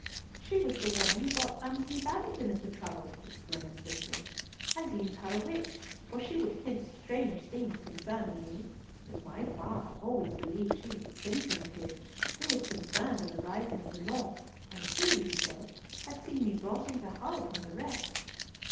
"She was the woman who got Antony Babington into trouble," explained Cicely. "I deemed her a witch, for she would hint strange things concerning me, but my father always believed she was a kinsman of his, who was concerned in the Rising of the North, and who, he said, had seen me brought in to Hull from the wreck."